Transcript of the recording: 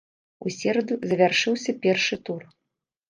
У сераду завяршыўся першы тур.